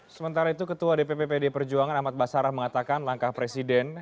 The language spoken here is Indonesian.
sementara itu ketua dpp pd perjuangan ahmad basarah mengatakan langkah presiden